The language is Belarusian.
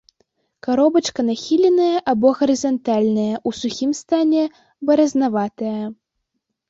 Каробачка нахіленая або гарызантальная, у сухім стане баразнаватая.